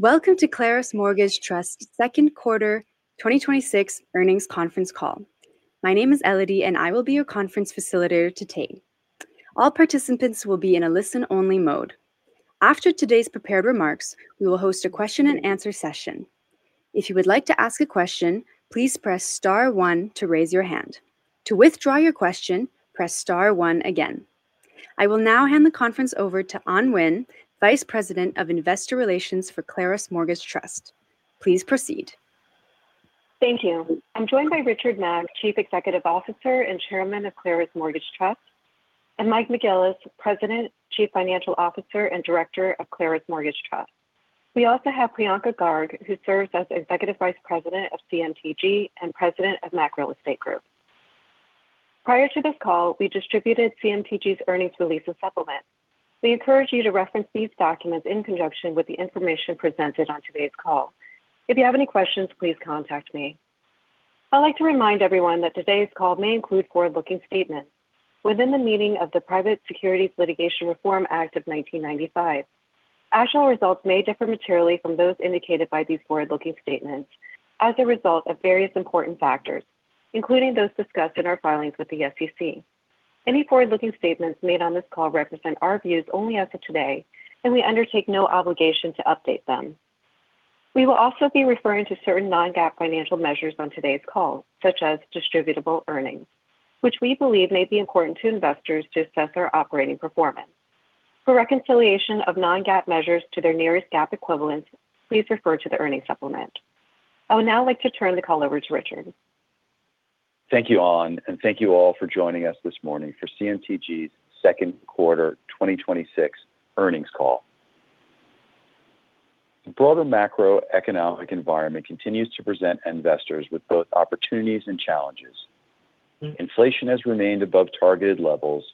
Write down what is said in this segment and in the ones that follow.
Welcome to Claros Mortgage Trust second quarter 2026 earnings conference call. My name is Elodie, and I will be your conference facilitator today. All participants will be in a listen-only mode. After today's prepared remarks, we will host a question and answer session. If you would like to ask a question, please press star one to raise your hand. To withdraw your question, press star one again. I will now hand the conference over to Anh Huynh, Vice President of Investor Relations for Claros Mortgage Trust. Please proceed. Thank you. I'm joined by Richard Mack, Chief Executive Officer and Chairman of Claros Mortgage Trust, and Mike McGillis, President, Chief Financial Officer, and Director of Claros Mortgage Trust. We also have Priyanka Garg, who serves as Executive Vice President of CMTG and President of Mack Real Estate Group. Prior to this call, we distributed CMTG's earnings release and supplement. We encourage you to reference these documents in conjunction with the information presented on today's call. If you have any questions, please contact me. I'd like to remind everyone that today's call may include forward-looking statements within the meaning of the Private Securities Litigation Reform Act of 1995. Actual results may differ materially from those indicated by these forward-looking statements as a result of various important factors, including those discussed in our filings with the SEC. Any forward-looking statements made on this call represent our views only as of today, and we undertake no obligation to update them. We will also be referring to certain non-GAAP financial measures on today's call, such as distributable earnings, which we believe may be important to investors to assess our operating performance. For reconciliation of non-GAAP measures to their nearest GAAP equivalent, please refer to the earnings supplement. I would now like to turn the call over to Richard. Thank you, Anh, and thank you all for joining us this morning for CMTG's second quarter 2026 earnings call. The broader macroeconomic environment continues to present investors with both opportunities and challenges. Inflation has remained above targeted levels,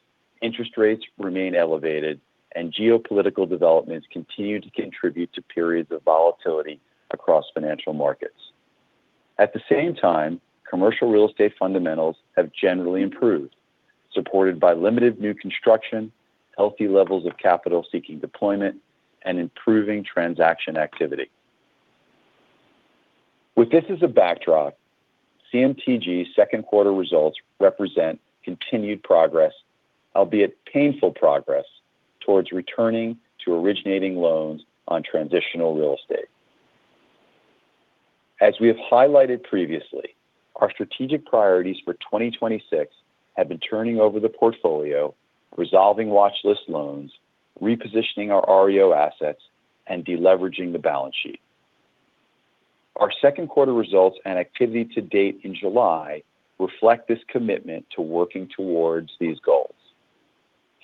interest rates remain elevated, and geopolitical developments continue to contribute to periods of volatility across financial markets. At the same time, commercial real estate fundamentals have generally improved, supported by limited new construction, healthy levels of capital seeking deployment, and improving transaction activity. With this as a backdrop, CMTG's second quarter results represent continued progress, albeit painful progress, towards returning to originating loans on transitional real estate. As we have highlighted previously, our strategic priorities for 2026 have been turning over the portfolio, resolving watchlist loans, repositioning our REO assets, and de-leveraging the balance sheet. Our second quarter results and activity to date in July reflect this commitment to working towards these goals.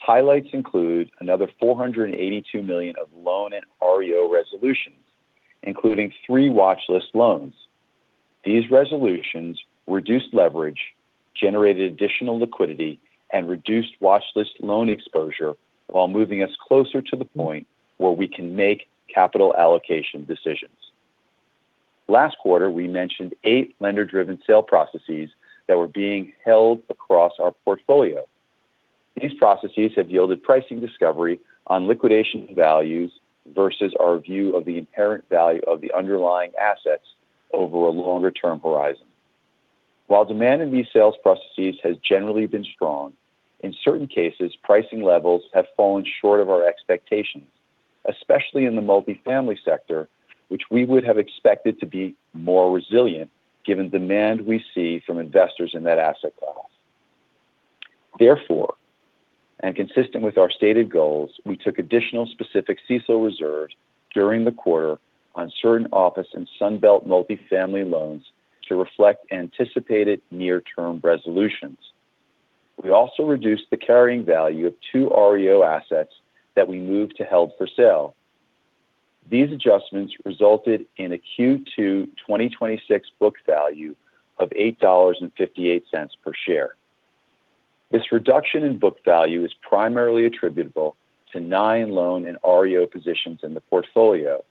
Highlights include another $482 million of loan and REO resolutions, including three watchlist loans. These resolutions reduced leverage, generated additional liquidity, and reduced watchlist loan exposure while moving us closer to the point where we can make capital allocation decisions. Last quarter, we mentioned eight lender-driven sale processes that were being held across our portfolio. These processes have yielded pricing discovery on liquidation values versus our view of the inherent value of the underlying assets over a longer-term horizon. While demand in these sales processes has generally been strong, in certain cases, pricing levels have fallen short of our expectations, especially in the multifamily sector, which we would have expected to be more resilient given demand we see from investors in that asset class. Therefore, consistent with our stated goals, we took additional specific CECL reserves during the quarter on certain office and Sun Belt multifamily loans to reflect anticipated near-term resolutions. We also reduced the carrying value of two REO assets that we moved to held-for-sale. These adjustments resulted in a Q2 2026 book value of $8.58 per share. This reduction in book value is primarily attributable to nine loan and REO positions in the portfolio.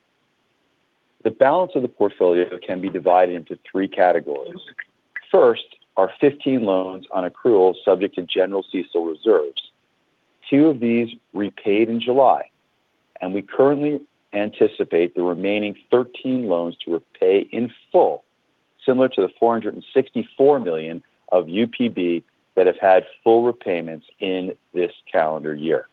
The balance of the portfolio can be divided into three categories. First are 15 loans on accrual subject to general CECL reserves. Two of these repaid in July, and we currently anticipate the remaining 13 loans to repay in full, similar to the $464 million of UPB that have had full repayments in this calendar year.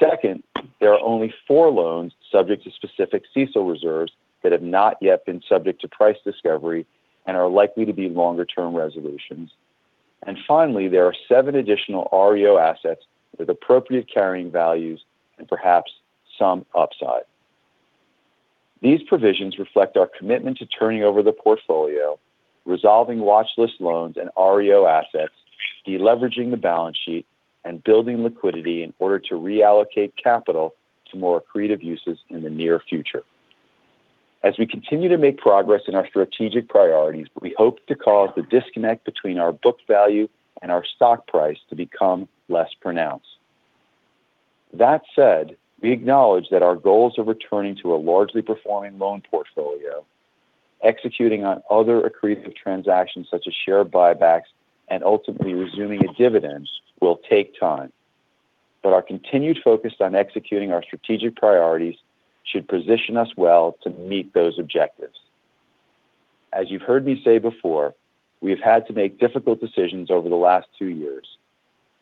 Second, there are only four loans subject to specific CECL reserves that have not yet been subject to price discovery and are likely to be longer-term resolutions. Finally, there are seven additional REO assets with appropriate carrying values and perhaps some upside. These provisions reflect our commitment to turning over the portfolio, resolving watchlist loans and REO assets, de-leveraging the balance sheet, and building liquidity in order to reallocate capital to more accretive uses in the near future. As we continue to make progress in our strategic priorities, we hope to cause the disconnect between our book value and our stock price to become less pronounced. That said, we acknowledge that our goals of returning to a largely performing loan portfolio, executing on other accretive transactions such as share buybacks and ultimately resuming a dividend will take time. Our continued focus on executing our strategic priorities should position us well to meet those objectives. As you've heard me say before, we have had to make difficult decisions over the last two years.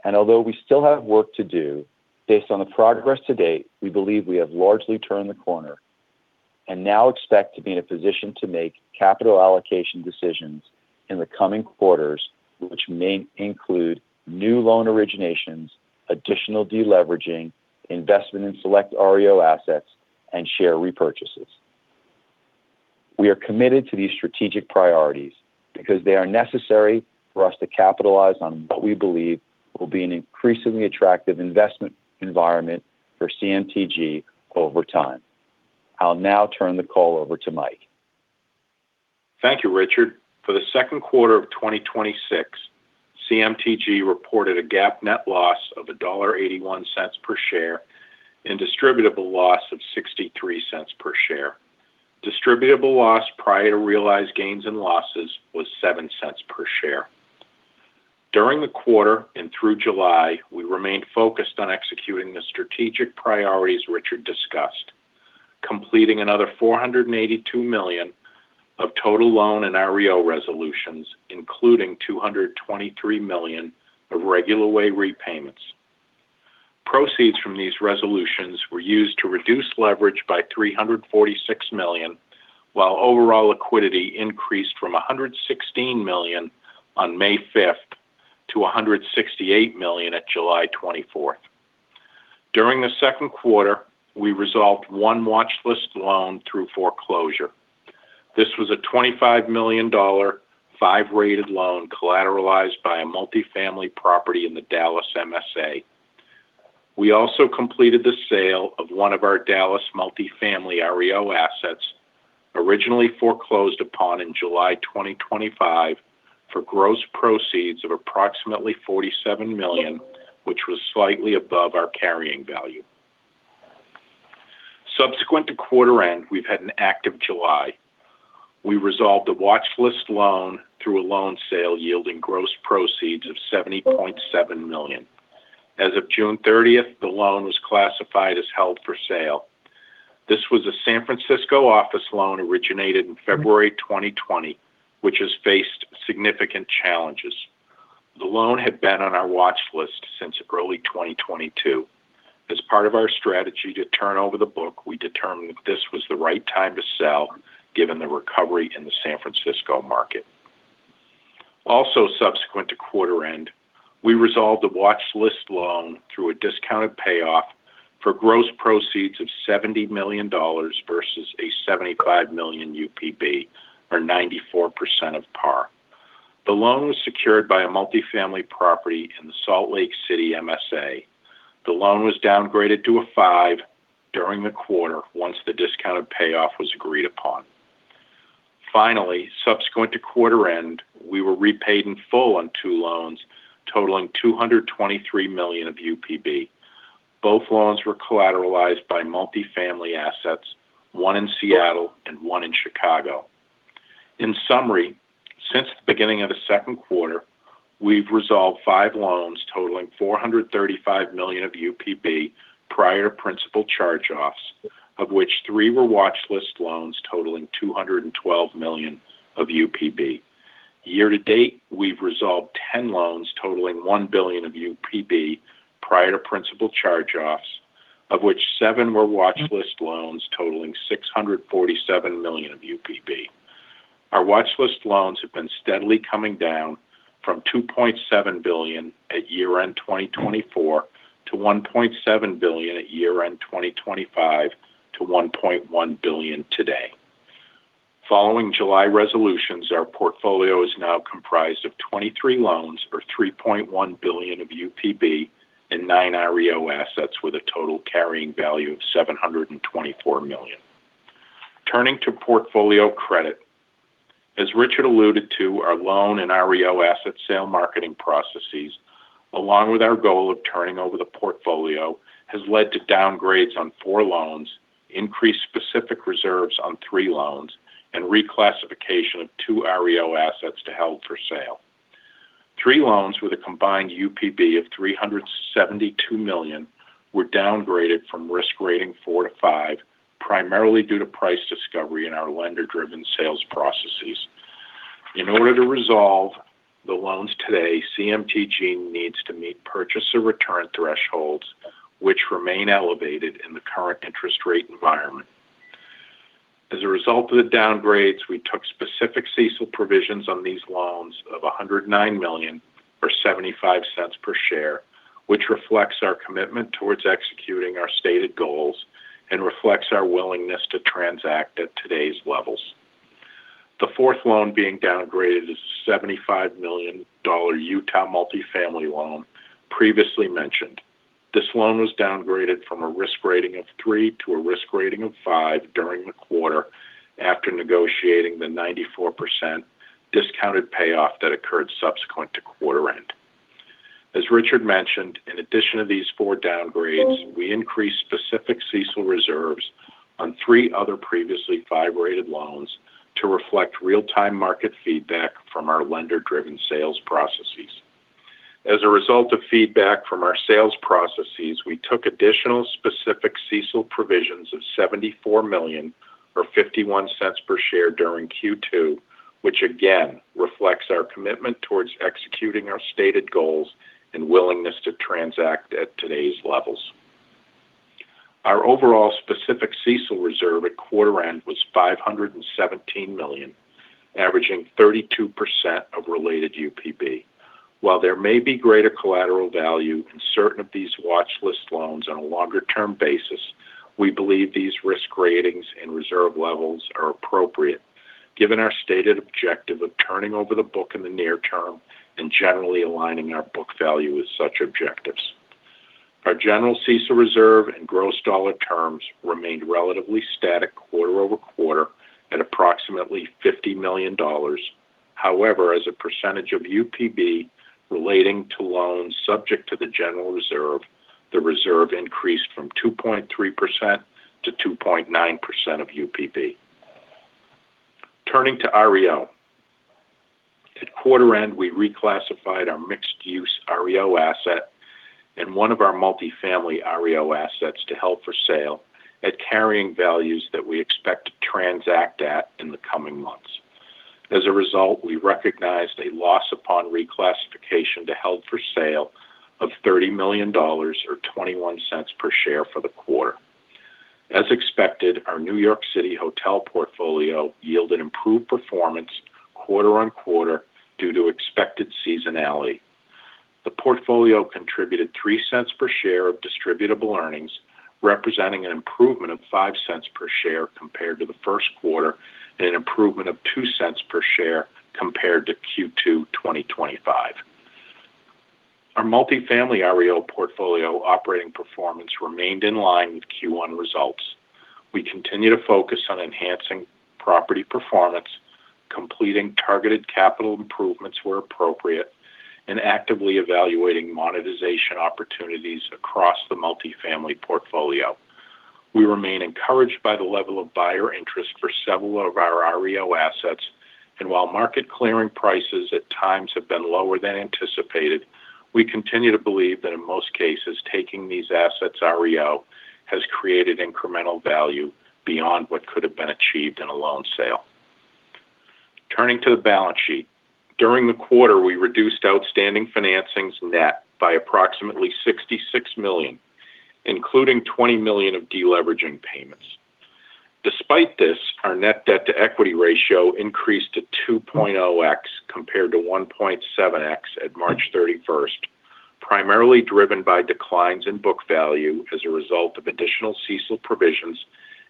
Although we still have work to do, based on the progress to date, we believe we have largely turned the corner and now expect to be in a position to make capital allocation decisions in the coming quarters, which may include new loan originations, additional de-leveraging, investment in select REO assets, and share repurchases. We are committed to these strategic priorities because they are necessary for us to capitalize on what we believe will be an increasingly attractive investment environment for CMTG over time. I'll now turn the call over to Mike. Thank you, Richard. For the second quarter of 2026, CMTG reported a GAAP net loss of $1.81 per share and distributable loss of $0.63 per share. Distributable loss prior to realized gains and losses was $0.07 per share. During the quarter and through July, we remained focused on executing the strategic priorities Richard discussed, completing another $482 million of total loan and REO resolutions, including $223 million of regular way repayments. Proceeds from these resolutions were used to reduce leverage by $346 million, while overall liquidity increased from $116 million on May 5th to $168 million at July 24th. During the second quarter, we resolved one watch list loan through foreclosure. This was a $25 million, 5-rated loan collateralized by a multifamily property in the Dallas MSA. We also completed the sale of one of our Dallas multifamily REO assets, originally foreclosed upon in July 2025 for gross proceeds of approximately $47 million, which was slightly above our carrying value. Subsequent to quarter end, we've had an active July. We resolved a watch list loan through a loan sale yielding gross proceeds of $70.7 million. As of June 30th, the loan was classified as held-for-sale. This was a San Francisco office loan originated in February 2020, which has faced significant challenges. The loan had been on our watch list since early 2022. As part of our strategy to turn over the book, we determined that this was the right time to sell given the recovery in the San Francisco market. Subsequent to quarter end, we resolved a watch list loan through a discounted payoff for gross proceeds of $70 million versus a $75 million UPB or 94% of par. The loan was secured by a multifamily property in the Salt Lake City MSA. The loan was downgraded to a 5 during the quarter once the discounted payoff was agreed upon. Finally, subsequent to quarter end, we were repaid in full on two loans totaling $223 million of UPB. Both loans were collateralized by multifamily assets, one in Seattle and one in Chicago. In summary, since the beginning of the second quarter, we've resolved five loans totaling $435 million of UPB prior to principal charge-offs, of which three were watch list loans totaling $212 million of UPB. Year to date, we've resolved 10 loans totaling $1 billion of UPB prior to principal charge-offs, of which seven were watch list loans totaling $647 million of UPB. Our watch list loans have been steadily coming down from $2.7 billion at year-end 2024 to $1.7 billion at year-end 2025 to $1.1 billion today. Following July resolutions, our portfolio is now comprised of 23 loans or $3.1 billion of UPB and nine REO assets with a total carrying value of $724 million. Turning to portfolio credit. As Richard alluded to, our loan and REO asset sale marketing processes, along with our goal of turning over the portfolio, has led to downgrades on four loans, increased specific reserves on three loans, and reclassification of two REO assets to held-for-sale. Three loans with a combined UPB of $372 million were downgraded from risk rating four to five, primarily due to price discovery in our lender-driven sales processes. In order to resolve the loans today, CMTG needs to meet purchaser return thresholds which remain elevated in the current interest rate environment. As a result of the downgrades, we took specific CECL provisions on these loans of $109 million or $0.75 per share, which reflects our commitment towards executing our stated goals and reflects our willingness to transact at today's levels. The fourth loan being downgraded is a $75 million Utah multifamily loan previously mentioned. This loan was downgraded from a risk rating of three to a risk rating of five during the quarter after negotiating the 94% discounted payoff that occurred subsequent to quarter end. As Richard mentioned, in addition to these four downgrades, we increased specific CECL reserves on three other previously five-rated loans to reflect real-time market feedback from our lender-driven sales processes. As a result of feedback from our sales processes, we took additional specific CECL provisions of $74 million, or $0.51 per share during Q2, which again reflects our commitment towards executing our stated goals and willingness to transact at today's levels. Our overall specific CECL reserve at quarter end was $517 million, averaging 32% of related UPB. While there may be greater collateral value in certain of these watch list loans on a longer-term basis, we believe these risk ratings and reserve levels are appropriate given our stated objective of turning over the book in the near term and generally aligning our book value with such objectives. Our general CECL reserve and gross dollar terms remained relatively static QoQ at approximately $50 million. However, as a percentage of UPB relating to loans subject to the general reserve, the reserve increased from 2.3%-2.9% of UPB. Turning to REO. At quarter end, we reclassified our mixed-use REO asset and one of our multifamily REO assets to held-for-sale at carrying values that we expect to transact at in the coming months. As a result, we recognized a loss upon reclassification to held-for-sale of $30 million or $0.21 per share for the quarter. As expected, our New York City hotel portfolio yielded improved performance quarter-on-quarter due to expected seasonality. The portfolio contributed $0.3 per share of distributable earnings, representing an improvement of $0.5 per share compared to the first quarter and an improvement of $0.2 per share compared to Q2 2025. Our multifamily REO portfolio operating performance remained in line with Q1 results. We continue to focus on enhancing property performance, completing targeted capital improvements where appropriate, and actively evaluating monetization opportunities across the multifamily portfolio. We remain encouraged by the level of buyer interest for several of our REO assets, and while market clearing prices at times have been lower than anticipated, we continue to believe that in most cases, taking these assets REO has created incremental value beyond what could have been achieved in a loan sale. Turning to the balance sheet. During the quarter, we reduced outstanding financings net by approximately $66 million, including $20 million of deleveraging payments. Despite this, our net debt-to-equity ratio increased to 2.0x compared to 1.7x at March 31st, primarily driven by declines in book value as a result of additional CECL provisions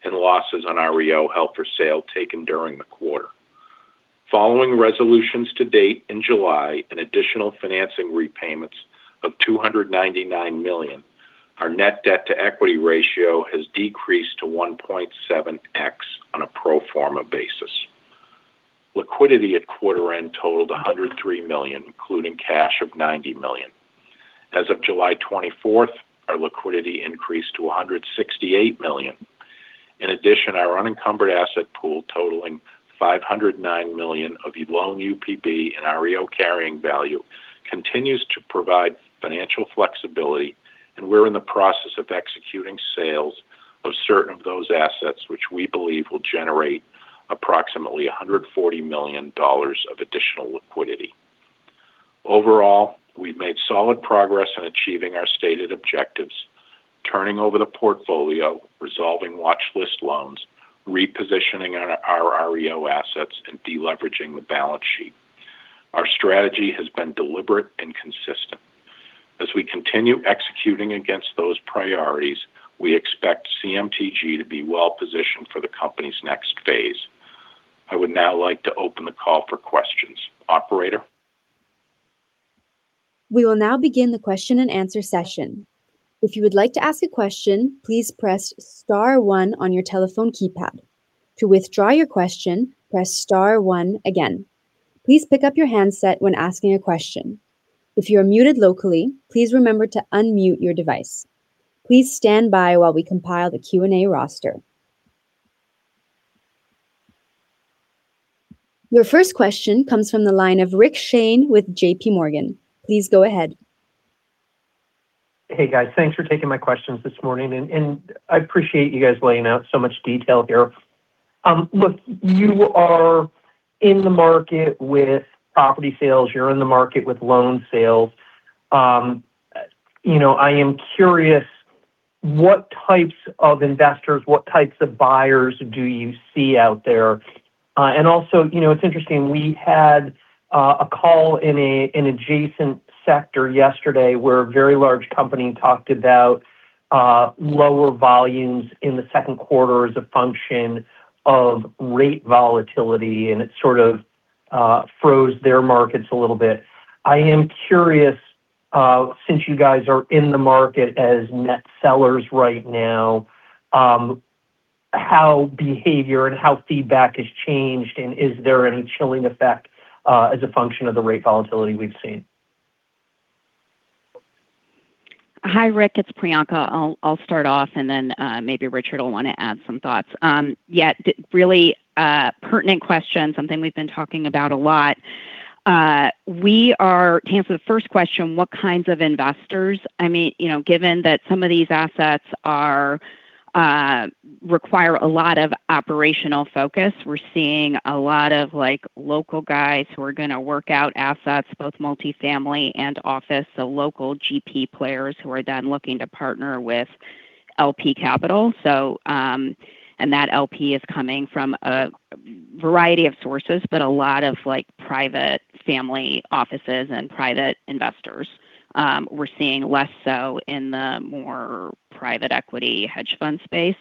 and losses on REO held for sale taken during the quarter. Following resolutions to date in July and additional financing repayments of $299 million, our net debt-to-equity ratio has decreased to 1.7x on a pro forma basis. Liquidity at quarter end totaled $103 million, including cash of $90 million. As of July 24th, our liquidity increased to $168 million. In addition, our unencumbered asset pool totaling $509 million of loan UPB and REO carrying value continues to provide financial flexibility, and we're in the process of executing sales of certain of those assets, which we believe will generate approximately $140 million of additional liquidity. Overall, we've made solid progress in achieving our stated objectives, turning over the portfolio, resolving watchlist loans, repositioning our REO assets, and deleveraging the balance sheet. Our strategy has been deliberate and consistent. As we continue executing against those priorities, we expect CMTG to be well-positioned for the company's next phase. I would now like to open the call for questions. Operator? We will now begin the question and answer session. If you would like to ask a question, please press star one on your telephone keypad. To withdraw your question, press star one again. Please pick up your handset when asking a question. If you are muted locally, please remember to unmute your device. Please stand by while we compile the Q&A roster. Your first question comes from the line of Rick Shane with J.P. Morgan. Please go ahead. Hey, guys. Thanks for taking my questions this morning. I appreciate you guys laying out so much detail here. Look, you are in the market with property sales. You're in the market with loan sales. I am curious what types of investors, what types of buyers do you see out there? Also, it's interesting, we had a call in an adjacent sector yesterday where a very large company talked about lower volumes in the second quarter as a function of rate volatility, and it sort of froze their markets a little bit. I am curious, since you guys are in the market as net sellers right now, how behavior and how feedback has changed, and is there any chilling effect as a function of the rate volatility we've seen? Hi, Rick, it's Priyanka. I'll start off and then maybe Richard will want to add some thoughts. Really pertinent question, something we've been talking about a lot. To answer the first question, what kinds of investors? Given that some of these assets require a lot of operational focus, we're seeing a lot of local guys who are going to work out assets, both multi-family and office. Local GP players who are then looking to partner with LP capital. That LP is coming from a variety of sources, but a lot of private family offices and private investors. We're seeing less so in the more private equity hedge fund space,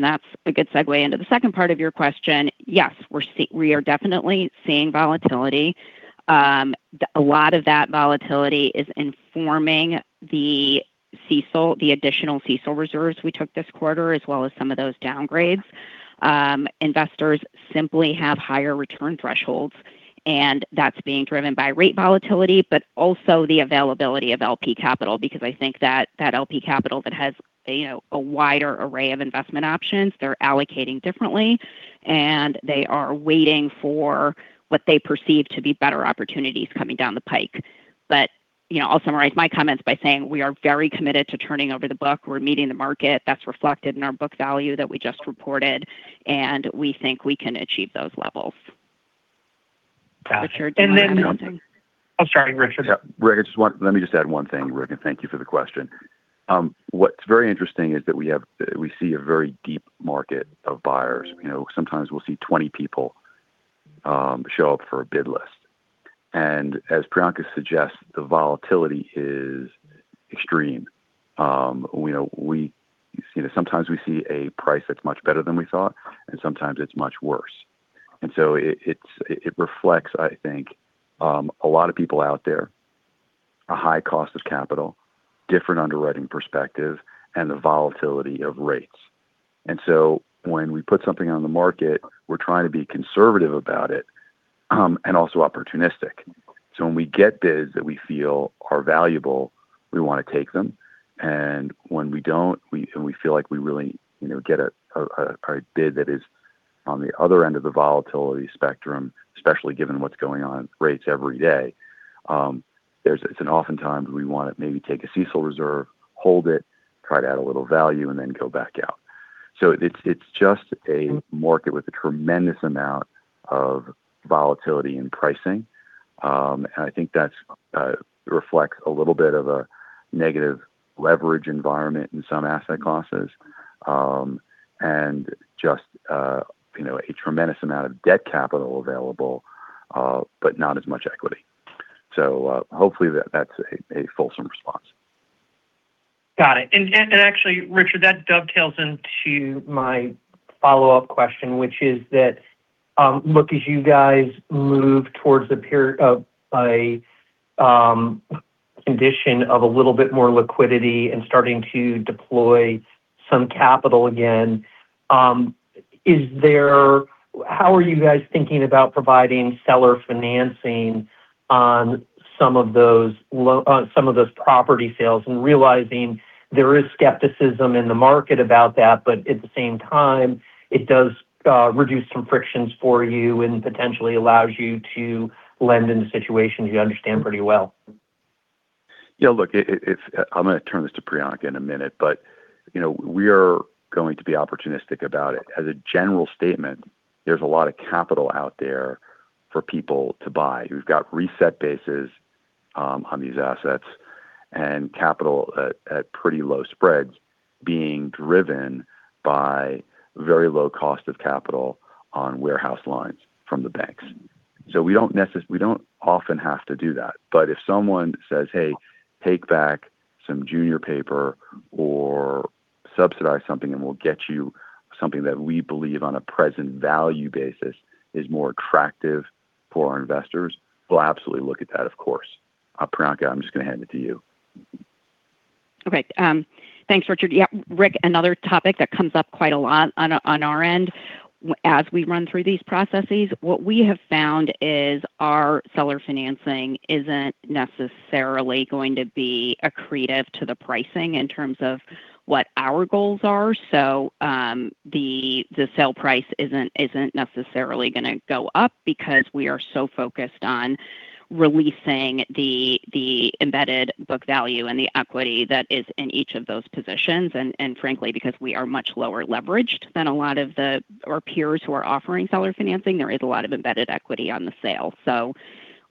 that's a good segue into the second part of your question. Yes, we are definitely seeing volatility. A lot of that volatility is informing the additional CECL reserves we took this quarter, as well as some of those downgrades. Investors simply have higher return thresholds, that's being driven by rate volatility, also the availability of LP capital because I think that that LP capital that has a wider array of investment options, they're allocating differently, they are waiting for what they perceive to be better opportunities coming down the pike. I'll summarize my comments by saying we are very committed to turning over the book. We're meeting the market. That's reflected in our book value that we just reported, we think we can achieve those levels. Richard, do you want to add anything? Sorry, Richard. Rick, let me just add one thing, Rick, thank you for the question. What's very interesting is that we see a very deep market of buyers. Sometimes we'll see 20 people show up for a bid list. As Priyanka suggests, the volatility is extreme. Sometimes we see a price that's much better than we thought, sometimes it's much worse. It reflects, I think, a lot of people out there, a high cost of capital, different underwriting perspective, the volatility of rates. When we put something on the market, we're trying to be conservative about it, also opportunistic. When we get bids that we feel are valuable, we want to take them. When we don't, and we feel like we really get a bid that is on the other end of the volatility spectrum, especially given what's going on with rates every day, it's oftentimes we want to maybe take a CECL reserve, hold it, try to add a little value, and then go back out. It's just a market with a tremendous amount of volatility in pricing. I think that reflects a little bit of a negative leverage environment in some asset classes, and just a tremendous amount of debt capital available, but not as much equity. Hopefully that's a fulsome response. Got it. Actually, Richard, that dovetails into my follow-up question, which is that look, as you guys move towards a condition of a little bit more liquidity and starting to deploy some capital again, how are you guys thinking about providing seller financing on some of those property sales and realizing there is skepticism in the market about that, but at the same time, it does reduce some frictions for you and potentially allows you to lend in situations you understand pretty well? Yeah, look, I'm going to turn this to Priyanka in a minute, but we are going to be opportunistic about it. As a general statement, there's a lot of capital out there for people to buy, who've got reset bases on these assets and capital at pretty low spreads being driven by very low cost of capital on warehouse lines from the banks. We don't often have to do that, but if someone says, "Hey, take back some junior paper or subsidize something and we'll get you something that we believe on a present value basis is more attractive for our investors," we'll absolutely look at that, of course. Priyanka, I'm just going to hand it to you. Okay. Thanks, Richard. Yeah, Rick, another topic that comes up quite a lot on our end as we run through these processes, what we have found is our seller financing isn't necessarily going to be accretive to the pricing in terms of what our goals are. The sale price isn't necessarily going to go up because we are so focused on releasing the embedded book value and the equity that is in each of those positions. Frankly, because we are much lower leveraged than a lot of our peers who are offering seller financing, there is a lot of embedded equity on the sale.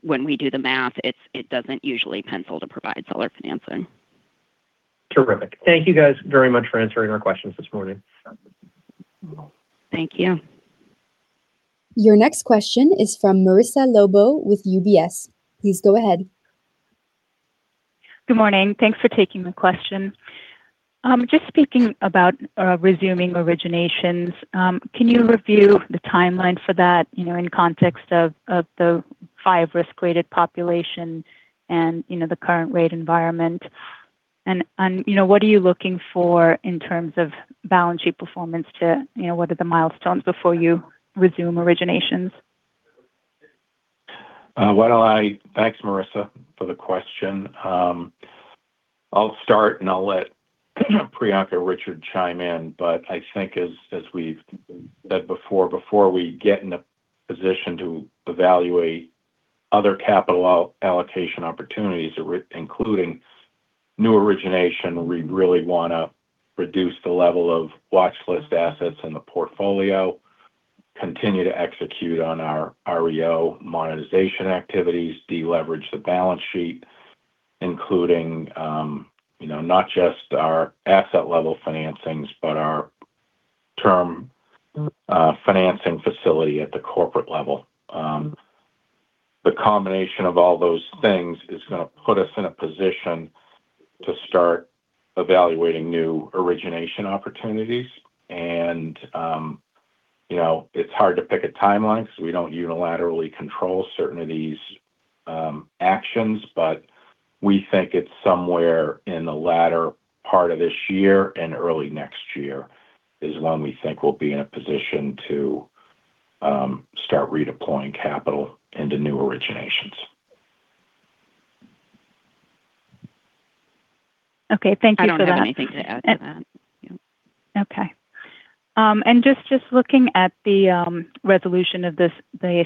When we do the math, it doesn't usually pencil to provide seller financing. Terrific. Thank you guys very much for answering our questions this morning. Thank you. Your next question is from Marissa Lobo with UBS. Please go ahead. Good morning. Thanks for taking the question. Just speaking about resuming originations, can you review the timeline for that in context of the five risk-weighted population and the current rate environment? What are you looking for in terms of balance sheet performance, what are the milestones before you resume originations? Thanks, Marissa, for the question. I'll start and I'll let Priyanka or Richard chime in. I think as we've said before we get in a position to evaluate other capital allocation opportunities, including new origination, we really want to reduce the level of watchlist assets in the portfolio, continue to execute on our REO monetization activities, de-leverage the balance sheet, including not just our asset-level financings, but our term financing facility at the corporate level. The combination of all those things is going to put us in a position to start evaluating new origination opportunities. It's hard to pick a timeline because we don't unilaterally control certain of these actions. We think it's somewhere in the latter part of this year and early next year is when we think we'll be in a position to start redeploying capital into new originations. Okay. Thank you for that. I don't have anything to add to that. Okay. Just looking at the resolution of the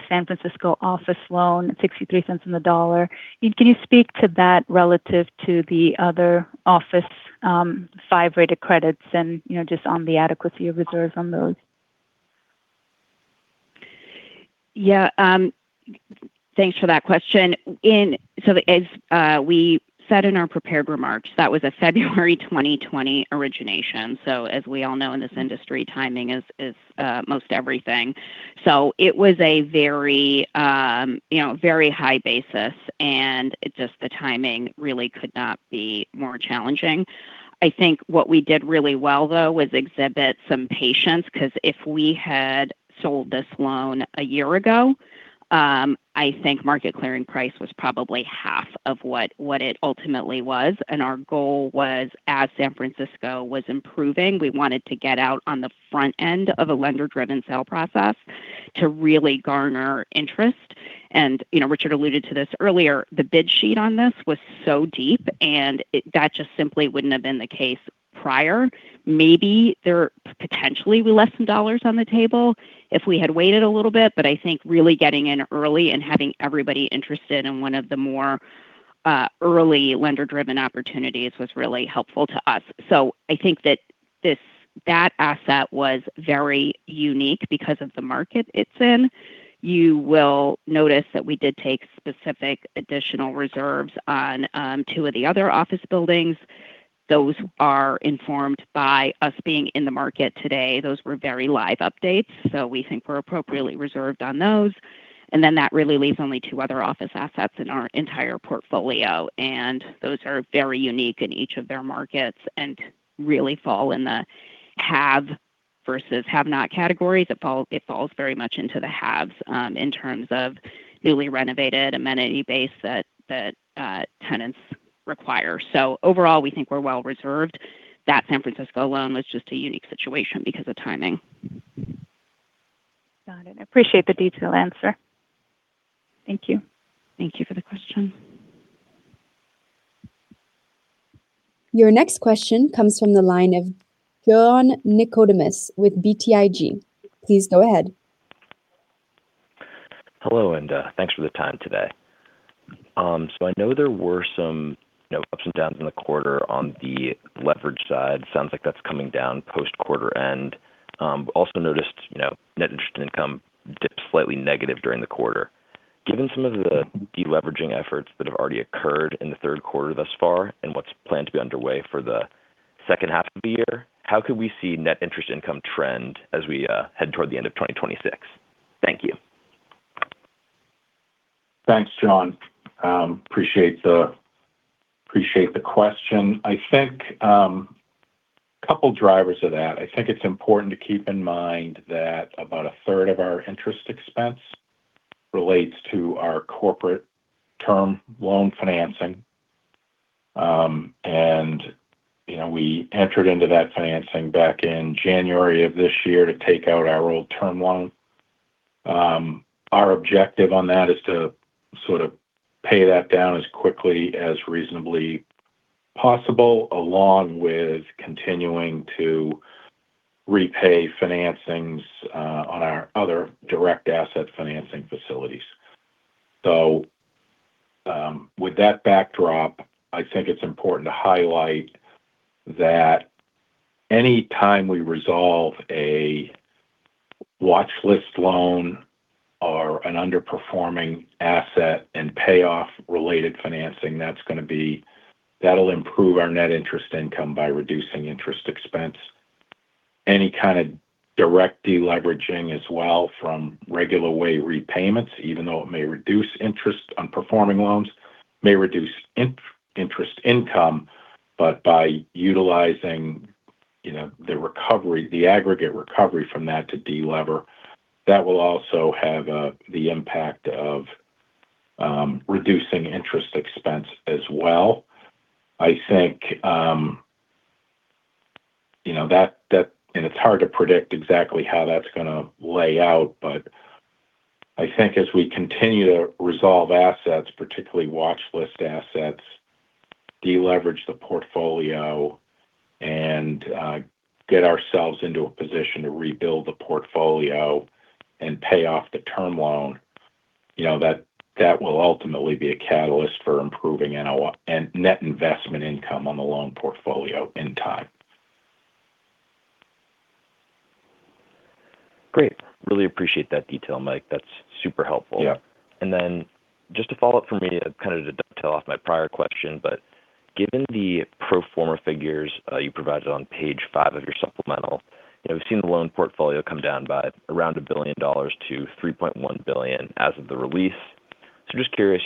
San Francisco office loan at $0.63 on the dollar, can you speak to that relative to the other office five rated credits and just on the adequacy of reserves on those? Yeah. Thanks for that question. As we said in our prepared remarks, that was a February 2020 origination. As we all know in this industry, timing is most everything. It was a very high basis and just the timing really could not be more challenging. I think what we did really well, though, was exhibit some patience because if we had sold this loan a year ago, I think market clearing price was probably half of what it ultimately was. Our goal was, as San Francisco was improving, we wanted to get out on the front end of a lender-driven sale process to really garner interest. Richard alluded to this earlier, the bid sheet on this was so deep, and that just simply wouldn't have been the case prior. Maybe there potentially were less than dollars on the table if we had waited a little bit. I think really getting in early and having everybody interested in one of the more early lender-driven opportunities was really helpful to us. I think that asset was very unique because of the market it's in. You will notice that we did take specific additional reserves on two of the other office buildings. Those are informed by us being in the market today. Those were very live updates. We think we're appropriately reserved on those. That really leaves only two other office assets in our entire portfolio. Those are very unique in each of their markets and really fall in the have versus have-not categories. It falls very much into the haves in terms of newly renovated amenity base that tenants require. Overall, we think we're well reserved. That San Francisco loan was just a unique situation because of timing. Got it. I appreciate the detailed answer. Thank you. Thank you for the question. Your next question comes from the line of John Nickodemus with BTIG. Please go ahead. Hello, thanks for the time today. I know there were some ups and downs in the quarter on the leverage side. Sounds like that's coming down post-quarter end. Also noticed net interest income dipped slightly negative during the quarter. Given some of the de-leveraging efforts that have already occurred in the third quarter thus far and what's planned to be underway for the second half of the year, how could we see net interest income trend as we head toward the end of 2026? Thank you. Thanks, John. Appreciate the question. I think a couple of drivers of that. I think it's important to keep in mind that about 1/3 of our interest expense relates to our corporate term loan financing. We entered into that financing back in January of this year to take out our old term loan. Our objective on that is to sort of pay that down as quickly as reasonably possible, along with continuing to repay financings on our other direct asset financing facilities. With that backdrop, I think it's important to highlight that any time we resolve a watchlist loan or an underperforming asset and pay off related financing, that'll improve our net interest income by reducing interest expense. Any kind of direct de-leveraging as well from regular way repayments, even though it may reduce interest on performing loans, may reduce interest income. By utilizing the aggregate recovery from that to de-lever, that will also have the impact of reducing interest expense as well. It's hard to predict exactly how that's going to lay out, but I think as we continue to resolve assets, particularly watchlist assets, de-leverage the portfolio, and get ourselves into a position to rebuild the portfolio and pay off the term loan, that will ultimately be a catalyst for improving NOI and net investment income on the loan portfolio in time. Great. Really appreciate that detail, Mike. That's super helpful. Yeah. Just a follow-up from me, to dovetail off my prior question, but given the pro forma figures you provided on page five of your supplemental, we've seen the loan portfolio come down by around $1 billion-$3.1 billion as of the release. Just curious,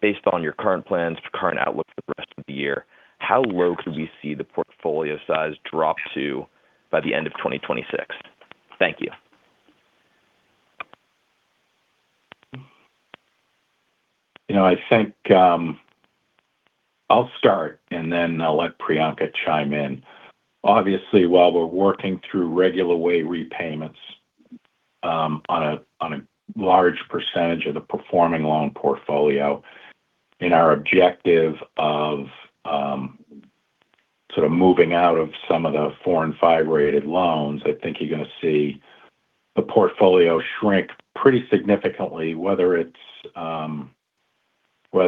based on your current plans, your current outlook for the rest of the year, how low could we see the portfolio size drop to by the end of 2026? Thank you. I think I'll start and then I'll let Priyanka chime in. Obviously, while we're working through regular way repayments on a large percentage of the performing loan portfolio, in our objective of sort of moving out of some of the five and five-rated loans, I think you're going to see the portfolio shrink pretty significantly. Whether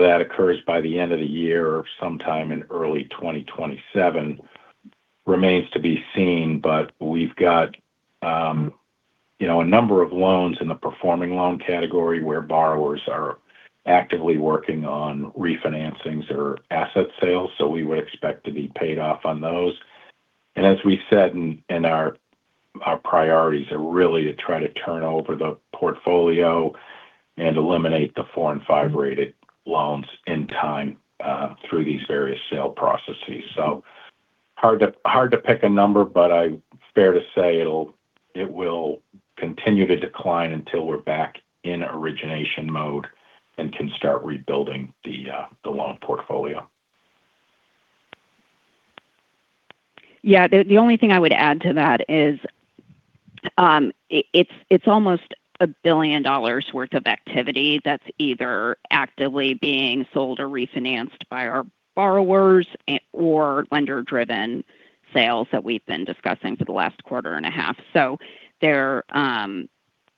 that occurs by the end of the year or sometime in early 2027 remains to be seen. We've got a number of loans in the performing loan category where borrowers are actively working on refinancings or asset sales, so we would expect to be paid off on those. As we've said, our priorities are really to try to turn over the portfolio and eliminate the four and five-rated loans in time through these various sale processes. Hard to pick a number, but fair to say it will continue to decline until we're back in origination mode and can start rebuilding the loan portfolio. Yeah. The only thing I would add to that is it's almost $1 billion worth of activity that's either actively being sold or refinanced by our borrowers or lender-driven sales that we've been discussing for the last quarter and a half.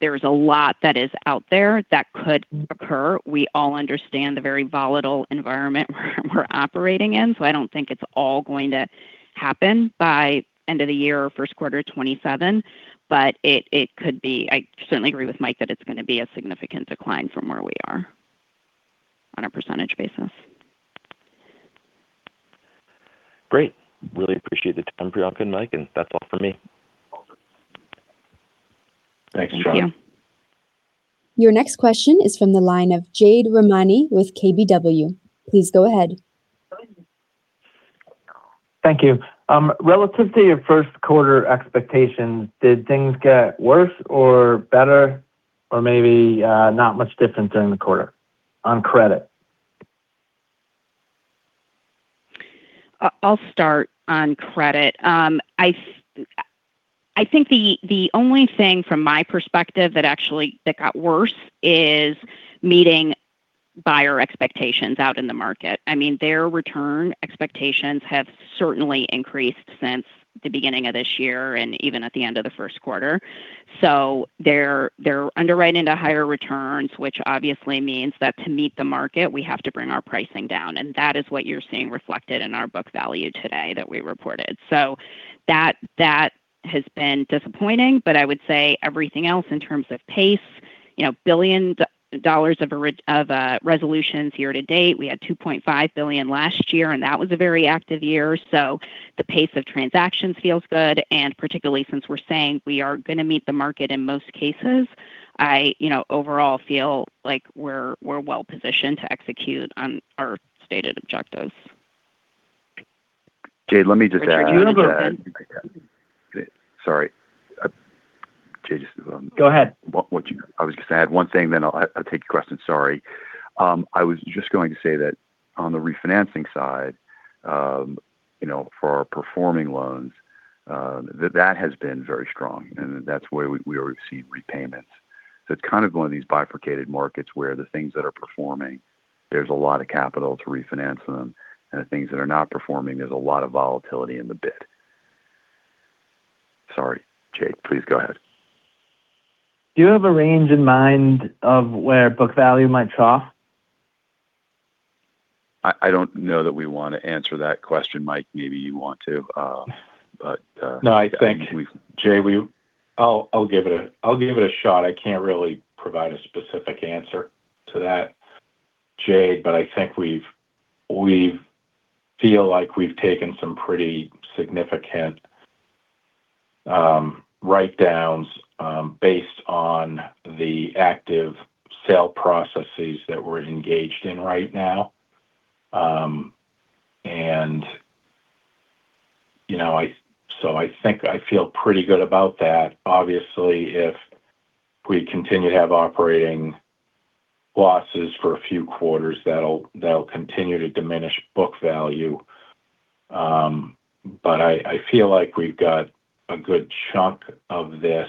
There's a lot that is out there that could occur. We all understand the very volatile environment we're operating in, I don't think it's all going to happen by end of the year or first quarter 2027, but it could be. I certainly agree with Mike that it's going to be a significant decline from where we are on a percentage basis. Great. Really appreciate the time, Priyanka and Mike, That's all from me. Awesome. Thanks, John. Thank you. Your next question is from the line of Jade Rahmani with KBW. Please go ahead. Thank you. Relative to your first quarter expectations, did things get worse or better, or maybe not much different during the quarter on credit? I'll start on credit. I think the only thing from my perspective that got worse is meeting buyer expectations out in the market. Their return expectations have certainly increased since the beginning of this year and even at the end of the first quarter. They're underwriting to higher returns, which obviously means that to meet the market, we have to bring our pricing down, and that is what you're seeing reflected in our book value today that we reported. That has been disappointing, but I would say everything else in terms of pace, billions of dollars of resolutions year to date. We had $2.5 billion last year, and that was a very active year. The pace of transactions feels good, and particularly since we're saying we are going to meet the market in most cases, I overall feel like we're well-positioned to execute on our stated objectives. Jade, let me just add. Richard, do you have a. Sorry. Jade, just. Go ahead. I was going to add one thing, then I'll take your question. Sorry. I was just going to say that on the refinancing side, for our performing loans, that has been very strong, and that's where we received repayments. It's kind of one of these bifurcated markets where the things that are performing, there's a lot of capital to refinance them, and the things that are not performing, there's a lot of volatility in the bid. Sorry, Jade, please go ahead. Do you have a range in mind of where book value might trough? I don't know that we want to answer that question. Mike, maybe you want to. No, I think. I think we I'll give it a shot. I can't really provide a specific answer to that, Jade, but I think we feel like we've taken some pretty significant write-downs based on the active sale processes that we're engaged in right now. I think I feel pretty good about that. Obviously, if we continue to have operating losses for a few quarters, that'll continue to diminish book value. I feel like we've got a good chunk of this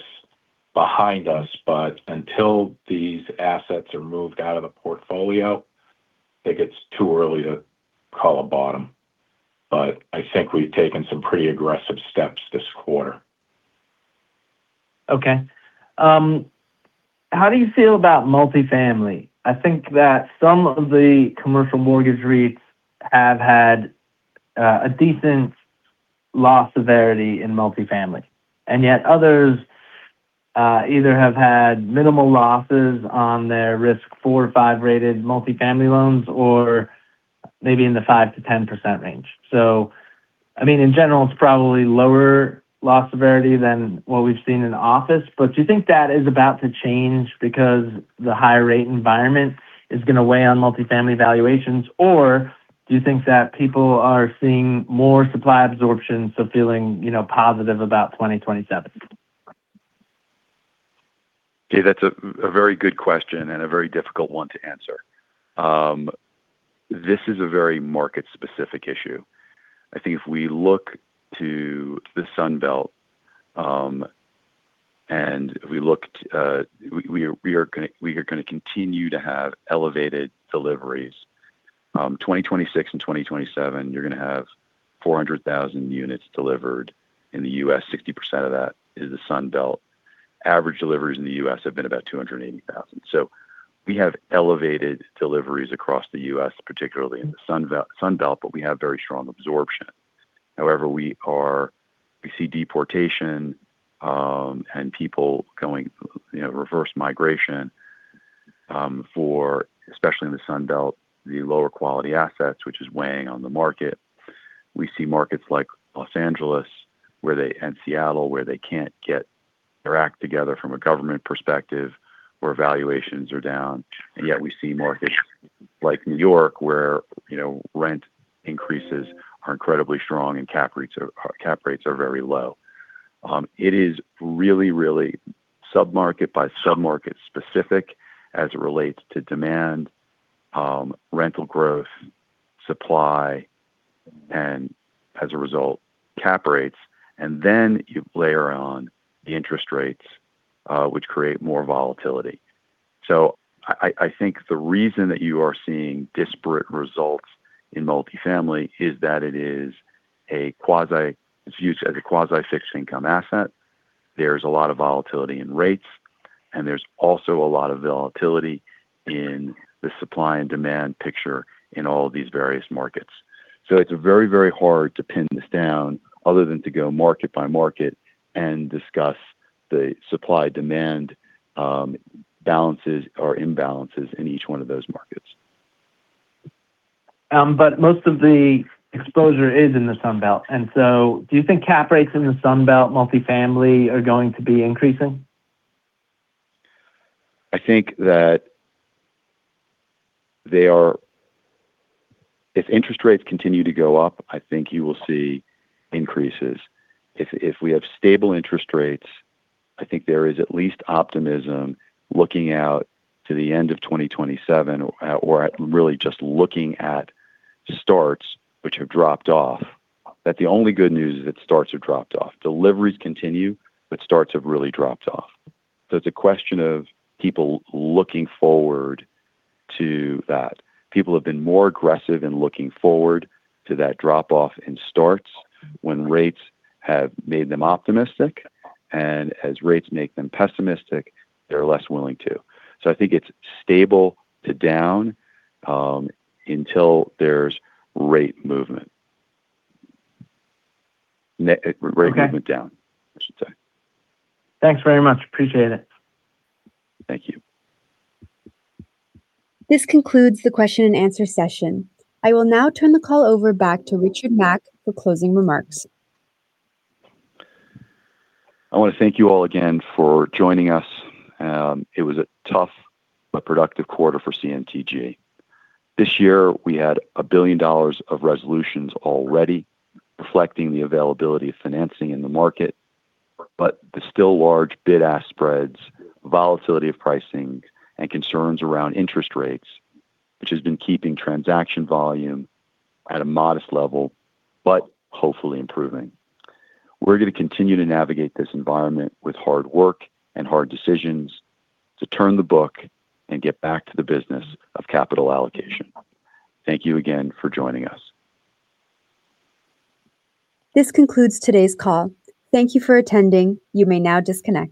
behind us, but until these assets are moved out of the portfolio, I think it's too early to call a bottom. I think we've taken some pretty aggressive steps this quarter. Okay. How do you feel about multifamily? I think that some of the commercial mortgage REITs have had a decent loss severity in multifamily. Yet others either have had minimal losses on their risk 4 or 5-rated multifamily loans or maybe in the 5%-10% range. In general, it's probably lower loss severity than what we've seen in office. Do you think that is about to change because the higher rate environment is going to weigh on multifamily valuations? Or do you think that people are seeing more supply absorption, so feeling positive about 2027? Okay. That's a very good question and a very difficult one to answer. This is a very market-specific issue. I think if we look to the Sun Belt, we are going to continue to have elevated deliveries. 2026 and 2027, you're going to have 400,000 units delivered in the U.S. 60% of that is the Sun Belt. Average deliveries in the U.S. have been about 280,000. We have elevated deliveries across the U.S., particularly in the Sun Belt, but we have very strong absorption. However, we see deportation, and people going reverse migration, especially in the Sun Belt, the lower quality assets, which is weighing on the market. We see markets like L.A. and Seattle, where they can't get their act together from a government perspective, where valuations are down. Yet we see markets like New York where rent increases are incredibly strong and cap rates are very low. It is really sub-market by sub-market specific as it relates to demand, rental growth, supply, and as a result, cap rates. Then you layer on the interest rates, which create more volatility. I think the reason that you are seeing disparate results in multifamily is that it's used as a quasi fixed-income asset. There's a lot of volatility in rates, and there's also a lot of volatility in the supply and demand picture in all of these various markets. It's very hard to pin this down other than to go market by market and discuss the supply-demand balances or imbalances in each one of those markets. Most of the exposure is in the Sun Belt. Do you think cap rates in the Sun Belt multifamily are going to be increasing? If interest rates continue to go up, I think you will see increases. If we have stable interest rates, I think there is at least optimism looking out to the end of 2027 or at really just looking at starts which have dropped off, that the only good news is that starts have dropped off. Deliveries continue, but starts have really dropped off. It's a question of people looking forward to that. People have been more aggressive in looking forward to that drop-off in starts when rates have made them optimistic. As rates make them pessimistic, they're less willing to. I think it's stable to down until there's rate movement. Okay. Rate movement down, I should say. Thanks very much. Appreciate it. Thank you. This concludes the question and answer session. I will now turn the call over back to Richard Mack for closing remarks. I want to thank you all again for joining us. It was a tough but productive quarter for CMTG. This year, we had $1 billion of resolutions already reflecting the availability of financing in the market. The still large bid-ask spreads, volatility of pricing, and concerns around interest rates, which has been keeping transaction volume at a modest level, but hopefully improving. We're going to continue to navigate this environment with hard work and hard decisions to turn the book and get back to the business of capital allocation. Thank you again for joining us. This concludes today's call. Thank you for attending. You may now disconnect.